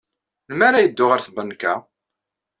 Melmi ara yeddu ɣer tbanka?